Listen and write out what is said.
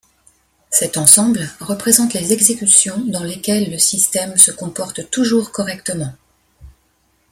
Cet ensemble représente les exécutions dans lesquelles le système se comporte toujours correctement.